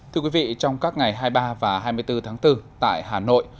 thưa quý vị trong các ngày hai mươi ba và hai mươi bốn tháng bốn tại hà nội